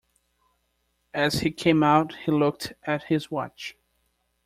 As he came out he looked at his watch.